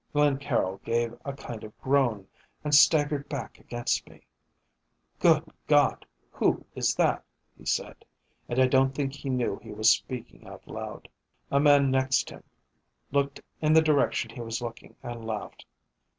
Glencaryll gave a kind of groan and staggered back against me. 'Good God! Who is that?' he said, and I don't think he knew he was speaking out loud. "A man next him looked in the direction he was looking and laughed.